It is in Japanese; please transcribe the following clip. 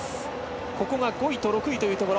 ここは５位と６位というところ。